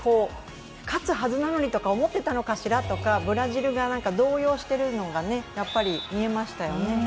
勝つはずなのにとか思ってたのかしらとか、ブラジルが動揺しているのが見えましたよね。